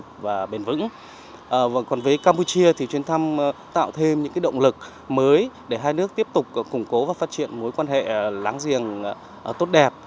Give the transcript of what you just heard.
còn với campuchia thì chuyến thăm tạo thêm những động lực mới để hai nước tiếp tục củng cố và phát triển mối quan hệ láng giềng tốt đẹp